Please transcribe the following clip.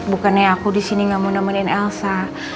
bukannya aku disini gak mau nemenin elsa